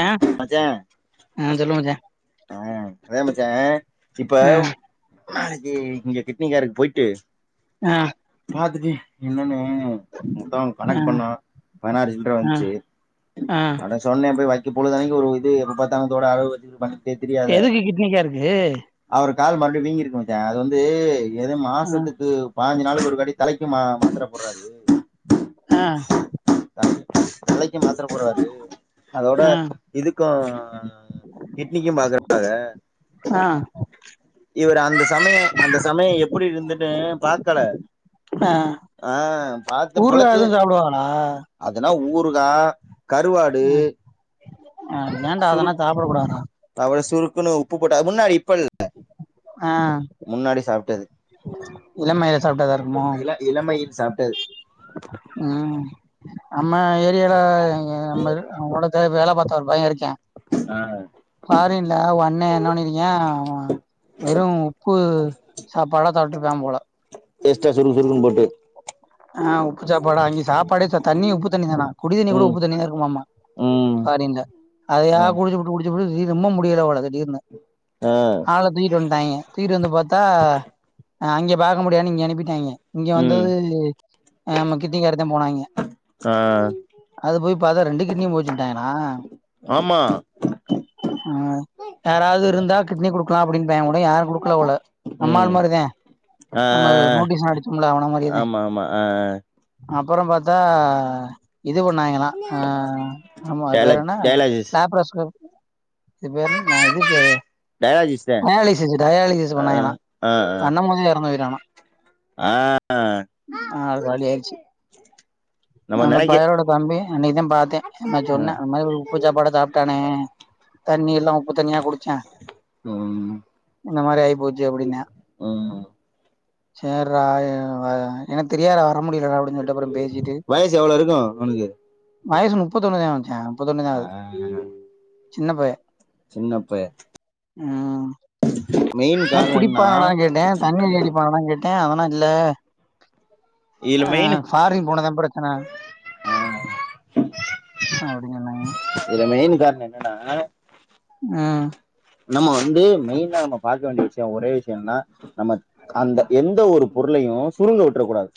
ஆ மச்சா ஆ சொல்லுங்க மச்சா ஆ அதா மச்சா இப்ப ஆ நாளைக்கீ இங்க கிட்னிகாருக் போயிட்டு ஆ பாத்துட்டே என்னனூ மொத்தமா ஆ கணக்கு பண்ணா பதினாறு சில்ற ஆ வந்துச்சி ஆ சொன்னே போய் வைக்க பொழுதனைக்கு ஒரு இது எப்ப பாத்தாலு தோடு அடகு வெச்சு [unintelligible] திரியாத எதுக்கு கிட்னிக்கா இருக்கு அவரு கால் மறுபடியு வீங்கிருக்கு மச்சா அது வந்து எது ஆ மாசத்துக்கு பாஞ்சு நாளுக்கு ஒரு வாட்டி தலைக்கும் மா மாத்துர போடுறாரு ஆ தலைக்கு மாத்துர போடுறாரு அதோட ஆ இதுக்கு கிட்னிக்கு மாத்துர போறாத ஆ இவரு அந்த சமயோ அந்த சமயோ எப்டி இருந்துட்டு பாக்கல ஆ ஆ பாத்து பொழச்சு போவனா அதுனா ஊறுகா கருவாடு அ ஆ ஏன்டா அதெல்லா சாப்புட கூடாதா அவரு சுருக்குன்னு உப்பு போட்டா அது முன்னாடி இப்ப இல் ஆ முன்னாடி சாப்டது இளமையில சாப்டதா இருக்குமோ இள இளமையில் சாப்டது ம் நம்ம ஏரியால நம்ம ஒடத்த வேல பாத்த ஒரு பைய இருக்கியா ஆ ஃபாரின்ல ஒன்னே என்ன பண்ணிருக்கியா வெறும் உப்பு சாப்பாடா சாப்ட்ருப்பாம் போல எஸ்டா சுருக்கு சுருக்குன்னு போட்டு ஆ உப்பு சாப்பாடா அங்கியே சாப்பாடே தண்ணி உப்பு தண்ணி தானா குடி தண்ணி கூட ம் உப்பு தண்ணியா தா இருக்குமாமா ம் ஃபாரின்ல அதையா ம் குடுச்சுபுட்டு குடுச்சுபுட்டு ஜீ ரொம்ப முடியலபோல திடீர்னு ஆ ஆள தூக்கிட்டு வன்ட்டாங்கியே தூக்கிட்டு வந்து பாத்தா அங்க பாக்க முடியாதுன்னு இங்க அனுப்பிட்டாங்கயே இங்க ம் வந்தது ஆமா கிட்னிக்காரதா போனாங்கயே ஆ அது போய் பாத்தா ரெண்டு கிட்னியு போச்சுன்டாங்களா ஆமா அ யாராவது இருந்தா கிட்னி குடுக்கலா அப்டின்ப கூட யாரு குடுக்கல்ல போல ம் நம்மாள் மாரிதே ஆ நம்ம ஆ நோட்டீஸ்ல்லா அடுச்சம்முல்ல அவன மாரியேதே ஆமா அ அ அப்புறம் பாத்தா இது பண்ணாங்கிளா அ ஆமா அது டயலா பேர் என்ன டயலாஜிஸ் லேப்ரோ ஸ்கோப் இது பேர் என்ன நா இது பே டயலாஜிஸ் தா டயாலிசிஸ்ஸு டயாலிசிஸ்ஸு ஆ பண்ணாங்கிளா ஆ ஆ பண்ணம்போதே எறந்து போயிட்டான்னா ஆ ஆள் காலி ஆயிருச்சு நம்ம அந்த நெனைக்க பயலோட தம்பி அன்னைக்கு தாம் பாத்தே இந்த மாரி சொன்னா அந்த மாரி ஒரு உப்பு சாப்பாடா சாப்டானே தண்ணி எல்லா உப்பு தண்ணியா குடுச்சா ம் இந்த மாரி ஆயிப்போச்சு அப்டின்னா ம் ம் சேர்றா எனக்குத் தெரியாது டா வர முடில டா அப்டின் சொல்ட்டு அப்புறம் பேசிட்டு வயசு எவ்ளோ இருக்கு அவனுக்கு வயசு முப்பத்தொண்ணு தா மச்சா முப்பத்தொண்ணு தா ஆ ஆவுது சின்ன பய சின்னப்பய [inaudible] மெயின் காரணோன்னா பணோ கெட்ட அவனுல்ல இதுல அ மெயின் ஃபாரின் போனதா பிரச்சன அப்டின் சொன்னாங்க அது மெயின் காரணோ என்னன்னா அ நம்ம வந்து மெயின்னா நம்ம பாக்க வேண்டிய விஷயோ ஒரே விஷயோ என்னன்னா நம்ம அந்த எந்த ஒரு பொருளையு சுருங்கவுட்டுறக் கூடாது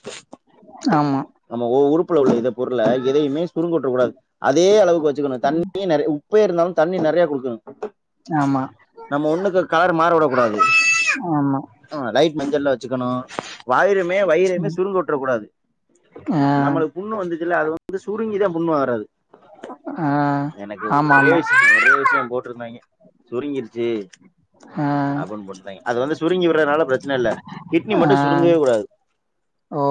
ஆமா நம்ம உறுப்புல உள்ள இத பொருள்ள எதையுமே சுருங்கவுற்றக் கூடாது அதே அளவுக்கு வச்சுக்கணோ தண்ணி நெறைய உ ப்பே இருந்தாலு தண்ணி நெறைய குடிக்கணோ ஆமா நம்ம ஒண்ணுக்கு கலர் மாறவுடக் கூடாது ஆமா அ லைட் மஞ்சள்ல்ல வச்சுக்கனோ வயிறுமே வயிறுமே ம் சுருங்கவுற்றக் கூடாது ஆ நம்மளுக்கு புண்ணு வந்துச்சுல்ல அது வந்து சுருங்கிதா புண்ணு வராது ஆ எனக்கு ஆமா ஒரே ஆமா விஷயோ ஒரே விஷயோ போட்ருந்தாங்க சுருங்கிருச்சு ஆ அப்புன்னு போட்ருந்தாங்க அது வந்து சுருங்கி வறதுனால பிரச்சன இல்ல கிட்னி ஆ மட்டு சுருங்கவே கூடாது ஓ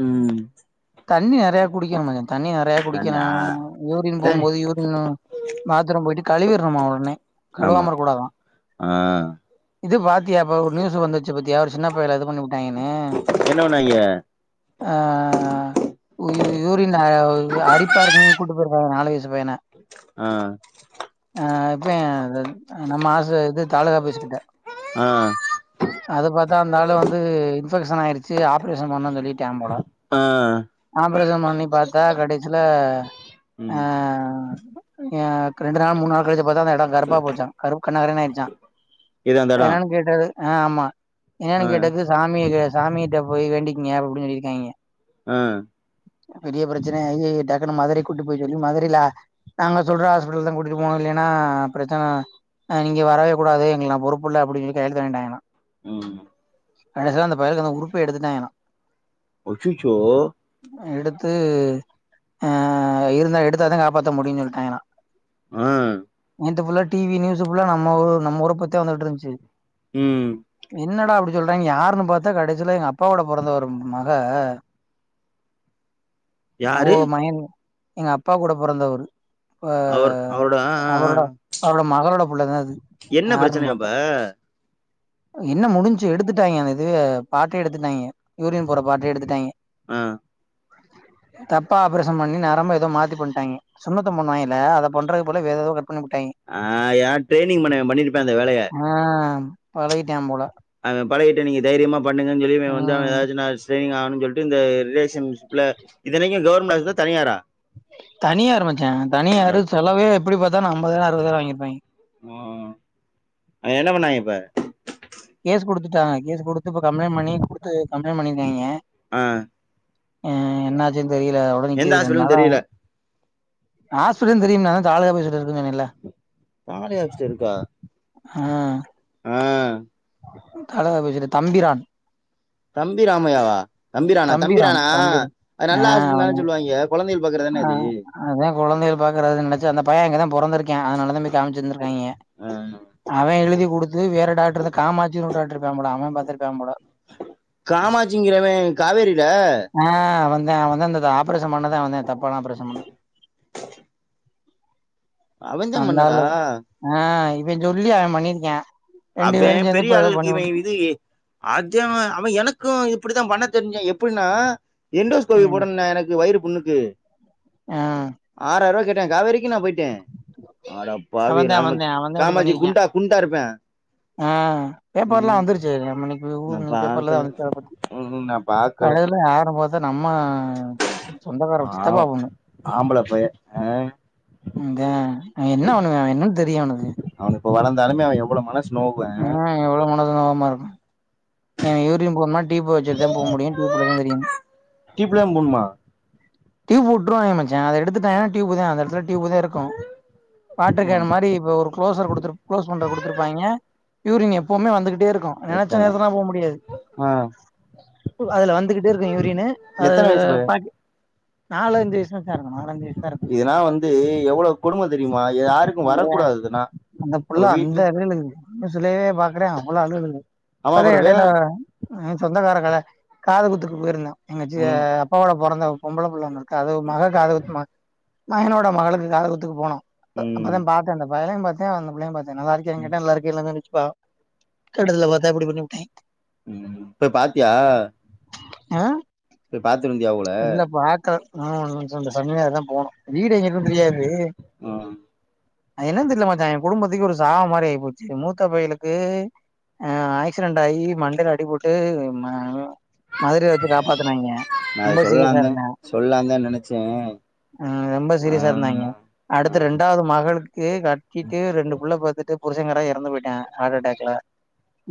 ம் தண்ணி நெறைய குடிக்கனோ மதன் தண்ணி நெறைய குடிக்கனோ தண்ணா யூரின் ஏய், போம்போது யூரின்னோ பாத்ரூம் போயிட்டு கழுவிருண்ணோமா உடனே கழுவாம இருக்கூடாதா அ இது பாத்தியா இப்ப ஒரு நியூஸ் வந்துச்சு பாத்தியா ஒரு சின்ன பயல இது பண்ணிவுட்டாங்கன்னு என்ன பண்ணாங்க அ யூ யூரின் அரிப்பா இருக்குன்னு கூட்டு போயிருக்காங்க நாலு வயசு பையன அ அ இப்ப ஏ நம்ம ஆச இது தாலுகாஆப்பிஸ் கிட்ட ஆ அது பாத்தா அந்தாலு வந்து இன்பெக்ஷன் ஆயிரிச்சி ஆப்ரேஷன் பண்ணனுன் சொல்லிடாங்க போல ஆ ஆஃப்ரேசன் பண்ணி பாத்தா கடைசில அ ம் ஏ ரெண்டு நாள் மூணு நாள் கழிச்சி பாத்தா அந்த எடோ கருப்பா போச்சா கருப் கண்டங்கரேனு ஆயிடுச்சா இது அந்த இடம் எதுனாலனு கேட்டாரு ஆ ஆமா ஆ எதனாலனு கேட்டதுக்கு சாமிட சாமிட்ட போய் வேண்டிக்கிங்க அப்டின்னு சொல்லியிருக்காங்க ஆ பெரிய பிரச்சனயா ஆகி டக்குன்னு மதுரைக்கு கூட்டி போய் சொல்லி மதுரைல நாங்க சொல்ற ஹாஸ்பிட்டல் தா கூட்டிட்டு போனு இல்லன்னா பிரச்சன அ இங்க வரவே கூடாது இங்கல்லா பொறுப்பில்ல அப்டின்னு சொல்லி கையெழுத்து வாங்கிட்டாங்களா ம் கடைசில அந்த பயலுக்கு அந்த உறுப்பே எடுத்துட்டாங்களா அச்சச்சோ எடுத்து ஆ இருந்தா எடுத்தாதா காப்பாத்த முடியு சொல்லிட்டாங்களா ஆ நேத்து ஃபுல்லா டி வி நியூஸ் ஃபுல்லா நம்ம ஊர் நம்ம ஊர பத்திதா வந்துட்ருந்துச்சி ம் என்னடா அப்டி சொல்றாய்ங்க யாருன்னு பாத்தா கடைசீல எங்க அப்பா வோட பொறந்தவரு மக யாரு அவோக மயன் எங்க அப்பா கூட பெறந்தவரு அ அவர் அவரோட ஆ, ஆ, அவரோட ஆ. அவரோட மகளோட புள்ளதா இது என்ன பிரச்சனயா இப்ப என்ன முடிஞ்சி எடுத்துட்டாய்ங்க அந்த இதுவ பாட்டே எடுத்துட்டாய்ங்க யூரின் போற பாட்டே எடுத்துட்டாய்ங்க ஆ தப்பா ஆப்ரேஷன் பண்ணி நரம்ப எதோ மாத்தி பண்ட்டாயிங்க சுன்னத்தோ பண்ணுவாயிங்கல்ல அத பண்றதுக்கு பதில வேற எதோ கட் பண்ணி புட்டாயிங்க ஆ யார ட்ரைனிங் பணணவே பண்ணிருபா இந்த வேலய ஆ பழகிட்டியா போல அவே பலகிட்டு நீங்க தைரியமா பண்ணுங்கன் சொல்லி இவே வந்து அவே ம் எதாச்சு நா ட்ரெயினிங் ஆவுனுன் சொல்ட்டு இந்த ரிலேஷன்ஷிப்ல இத்தனைக்கு கவர்மென்ட் ஹாஸ்பிட்டா தனியாரா தனியாரு மச்சா அட தனியாரு செல்வே எப்படி பாத்தாலு அம்பதாயிரோ அறுவதாயிரோ வாங்கியிருப்பாயிங்க ஓ அது என்ன பண்ணாயிங்க இப்ப கேஸ் குடுத்துட்டாங்க கேஸ் குடுத்து இப்ப கம்ப்ளைண் பண்ணி குடுத்து கம்ப்ளைண் பண்ணியிருக்காயிங்க ஆ ஆ என்னாச்சுன் தெரில அதோட எந்த நிக்குது ரெண் ஹாஸ்பிட்டல்னு நாள் ஆவு தெரியல ஆஸ்பிட்டல்ன் தெரியும் நாதா தாலுக்கா ஆபீஸ் கிட்ட இருக்குன் சொன்னேல்ல தாலுகா ஆபிஸ்ட இருக்கா ஆ ஆ தாலுகா ஆபிஸ்கிட்ட தம்பிரான் தம்பி ராமையாவா தம்பிரானா தம்பிரான் தம்பிரானா தம்பிரான் அது ஆ நல்ல ஆஸ்பிட்டல் அவன் தான சொல்லுவாயிங்க பாக்கறன ஆ அது அதா கொழந்தைகள் பாக்கறது நெனச்சா அந்த பைய அங்கதா பொறந்துருக்கியா அதனாலதா போய் காம்ச்சிருந்துக்காய்ங்க ஆ அவே எழுதி குடுத்து வேற டாக்டர் அந்த காமாச்சினு ஒரு டாக்டர் இருக்கா போல அவே பாத்திருப்பியா போல காமாச்சிங்கிறவே காவேரில ஆ அவந்தே அவந்தே இந்த ஆஃப்ரேசன் பண்ணதே அவந்தே தப்பான ஆப்பரேஷன் பண்ணது அவன் தான் பண்ணதா அந்தாலு ஆ இவே சொல்லி அவே பண்ணிருக்கியா அவே பெரிய அளுலுக்கு இவே இது ஏ அதுஅவ அவ எனக்கு இப்படிதா பண்ண தெரிஞ்சா எப்புன்னா எண்டோஸ்கோபி ம் போடணுன்னா எனக்கு வயிறு புண்ணுக்கு ஆ ஆறாயிருவா கேட்டாங் காவேரிக் வீனா போயிட்டே அவன்தா அடப்பாவிகளா நமக் அவன்தா அவன்தா அப்டி காமாச்சி பண்ணிருக்கா குண்டா குண்டா இருப்பே ஆ பேப்பர்லா ம் வந்துருச்சு நாம இன்னிக்கு [unintelligible] நா ஊர் இன்னிக்கு பேப்பர்லதா பாக்கல வந்துருச்சா அத பத்தி ம் நா பாக்கல கழுல யார பாத் அத நம்ம சொந்தக்கார பாவு சித்தப்பா பொண்ணு ஆம்பள பையே அ அதா என்ன அவுனுங்க என்னன் தெரியூ அவுனுக்கு அவன் இப்ப வளந்தாலுமே அவ எவ்ளோ மனசு நோவுவ ம் எவ்ளோ [unintelligible] இருக்கு எனங்கு யூரின் போன்மா டீப்பு வெச்சுட்டுதா போ முடியு டிப்புல தா தெரியு டீப்புல தா போனுமா டியூப் வுட்ருவாய்ங்க மச்சா அத எடுத்துட்டாய்ங்கனா டியூப்பு தா அந்த எடத்துல டியூபு தா இருக்கும் வாட்டரு கேன் ம் மாரி இப்ப ஒரு குளோஸர் குடுத்து குளோஸ் பண்ற குடுத்துருப்பாய்ங்க யூரின் எப்பவுமே வந்துகிட்டே இருக்கும் நெனைச்ச எத்தன நேரத்துக்லா போக முடியாது ஆ அதுல வந்துகிட்டே இருக்கு யூரினு அது எத்தன வயசு பைய பா நாலஞ்சு வயசுல தா சேரனு நாலஞ்சு வயசுதா இருக்கும் இதனா வந்து எவ்வளோ கொடும்ம தெரியுமா யாருக்கும் வரக்கூடாது இதுனா அவ வீட்ல அழுகுது உசுலே பாக்குறே அவ்வளோ அழு அழுகுது ஆமா இப்பதா அப்புற வேற எடையில எ சொந்தக்காரக்கள காது குத்துக்கு போயிருந்தோ எங்க ம் அப்பாவோட பொறந்த பொம்பள புள்ள ஒன்னு கது மக காதுகுத்து மகனோட மகளுக்கு காதுகுத்துக்கு போனோ ம் அப்பதா பாத்தே அந்த பையலயு பாத்தே அந்த புள்ளையு பாத்தே நல்லா இருக்குயானு கேட்டே நல்லாக் இருக்கியல்ல சொன்னுச்சுப்பா கிட்டத்துல பாத்தா இப்டி பண்ணி ப்புட்டே ம் போய் பாத்தியா அ போய் பாத்துட்டு வந்தியா அவுகள இல்ல பாக்கல ஆ ஒன்னு சொ சனி ஞாயிறுதா போகனு வீடு எங்க இருக்குன்னு தெரியாது ஆ அது என்னன் தெரியல மச்சான் என் குடும்பத்துக்கு ஒரு சாவ மாரி ஆயிப்போச்சு மூத்த பயலுக்கு அ ஆக்சிடென்ட் ஆகி மண்டேல அடிப்பட்டு மதுரையில வச்சு காப்பாத்துனாய்ங்க நா அத ரொம்ப சீரியஸா சொல்லாம்ந்தே இருந்தா சொல்லலாம்ந்தே நெனைச்சே ம் ரொம்ப சீரியசா இருந்தாய்ங்க ஆ அடுத்து ரெண்டாவது மகளுக் க்கு கட்டிட்டு ரெண்டு புள்ள பாத்துட்டு புருஷங்காரெ எறந்து போயிட்டா ஹார்ட் அட்டாக்ல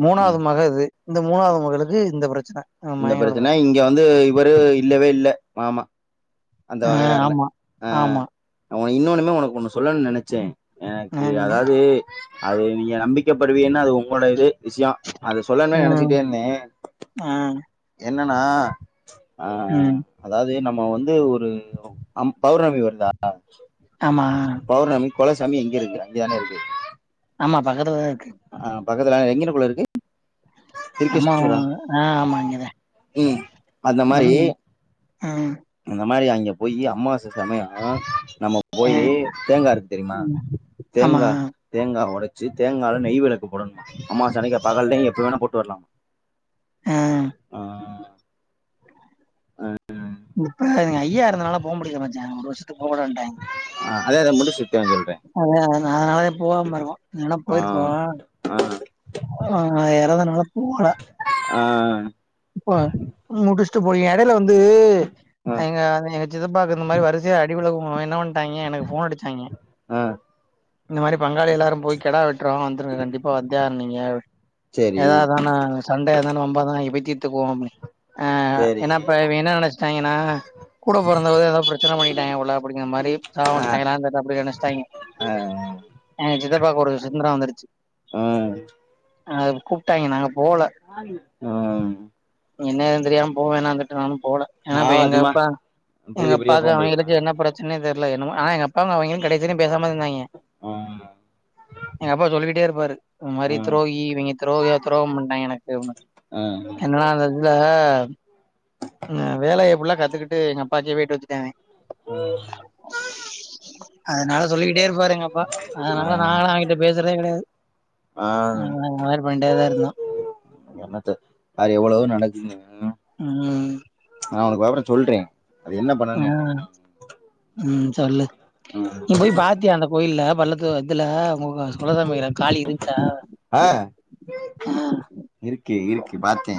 மூனாவது ம் மக இது இந்த மூனாவது மகளுக்கு இந்த பிரச்சன இந்தப்பிரச்சன இங்க வந்து இவரு இல்லவே இல்ல மாமா அந்த ஆ வகையார்ல ஆமா, ஆ ஆமா. ஒ இன்னோன்னுமே ஒனக்கு ஒன்னு சொல்லன் நெனச்சே எனக்கு ம், அதாவது அது நீங்க நம்பிக்க படுவீங்கன்னா அது ஒங்களோட இது விஷ்யோ அது சொல்லதா ம், நெனைச்சுகிட்டே இருந்தே ஆ, என்னன்னா ஆ ம். அதாவது நம்ம வந்து ஒரு அம் பௌர்ணமி வருதா ஆமா பௌர்ணமி கொலசாமி எங்க இருக்கு இங்கதானே இருக்கு ஆமா பக்கத்துலதா இருக்கு ஆ பக்கத்துலதா எங்கனக்குள்ள இருக்கு அம்மாவு திருக்கேஷ்டூரா ஆ ஆமா அங்கதா ம் அந்த மாதிரி ம் ஆமா அந்த மாரி அங்க போய் அம்மாவாசை சமயொ நம்ம ஆ, போயி தேங்கா இருக்கு தெரியுமா ம். ஆமா, தேங்கா தேங்கா ஒடச்சு தேங்கால நெய் விளக்கு போடணுமா அம்மாவாச அன்னைக்கு பகல் டையு எப்ப வேணா போட்டு வர்லாமா ஆ. ஆ ஆ ஆ இப்ப தா எங்க ஐயா எறந்தனால போக முடியில மச்சா ஒரு வருஷத்துக் போக கூடாதுன்டாய்ங் ஆ அதே அத முடி [unintelligible] சொல்றே அதா அதனாலதா போவாம இருக்கோ இல்லனா ஆ போயிருப்போ ஆ ஆ எறந்தனால போகல ஆ ஆ இப்ப முடுஸ்ட்டு போய் எடேல வந்து ஆ எங்க எங்க சித்தப்பாக்கு இந்த மாரி வரிசையா அடி விழுகவு என்ன பண்ட்டாய்ங்க எனக்கு ஃபோன் அடுச்சாய்ங்க ஆ இந்த மாரி பங்காளி எல்லாரு போய் கெடா வெட்ரோ வந்துருங்க கண்டிப்பா வந்தே ஆகணு நீங்க அப்டி சரி எதாவதானா சண்டே தானு வம்பாதானு நீங்க போய் தீத்துக்குவோ அப்டின் ஆ சரி ஏனா இப்ப இவைய்ங் என்ன நெனஸ்டாய்ங்கன்னா கூட பொறந்தவருதா ஏதாவது பிரச்சன பண்ணிட்டாய்ங்க போல அப்புடிங்க மாரி சாபொ ஆ வுட்டாய்ங்களா அந்த த அப்புடின் நெனஸ்ட்டாய்ங்க ஆ எங்க சித்தப்பாக்கு ஒரு சிந்தர வந்துருச்சு ஆ அது கூப்ட்டாய்ங்க நாங்க போல ம் என்ன ஏதுன் தெரியாம போக வேணா அங்குட்டு நானு போல ஏனா இப்ப ஆமா எங்க சும்மா அப்பா எங்க பூதி பூதியா அப்பாக்கு போக முடியுமா அவய்களுக்கு என்ன பிர சனனே தெர்ல என்னமோ ஆனா எங்கப்பாவு அவய்ங்களு கடைசி வரையு பேசாம இரு இருந்தாய்ங்க ஆ எங்க அப்பா சொல்லிக்கிட்டே இருப்பாரு இந்த மாரி ஆ துரோகி இவய்ங்க துரோக துரோக பண்ட்டாய்ங்க எனக்கு அப்டினு ஆ என்னனா அந்த இதுல அ வேலைய ஃபுல்லா கத்துக்கிட்டு எங்க அப்பாக்கே வேட்டு வச்சுட்டாய்ங்க ஆ அதுனால சொல்லிக்கிட்டே இருப்பாரு எங்க அப் ப்பா ஆ அதுனால நாங்களு அவய்கட்ட பேசுறதே கெடையாது ஆ [unintelligible] அந்த மாரி பண்ணிட்டேதா இருந்தோ என்னத்த அது எவ்வளவோ நடக்கு [unintelligible] ம் நா அவனுக்கு வெவறொ சொல்றே அது என்ன ஆ. பண்ணணு என்ன ம் சொல்லு ம். நீ போய் பாத்தியா அந்த கோயில்ல பல்ல து இதுல உங்க ஒலக மீற காலி இருந்ச்சா ஆ இருக்கு இருக்கு பாத்தே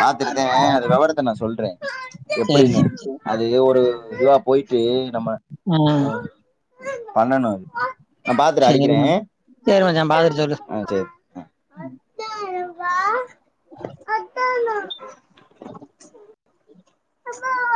பாத்துட்டுதே பாத்துட்டியா? அது வெவரத்த நா சொல்றே சரி, எப்டின்னு சரி, சரி. அது அது ஒரு இதுவா போய்ட்டு நம்ம ஆ பண்ணணு சேரிமா சேரி மச்சா பாத்துட்டு சொல்லு அ சேரி அ ஆ